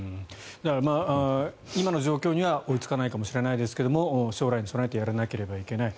だから、今の状況には追いつかないかもしれないですが将来に備えてやらなければいけない。